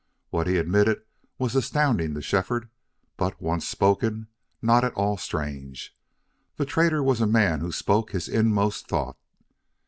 What he admitted was astounding to Shefford, but, once spoken, not at all strange. The trader was a man who spoke his inmost thought.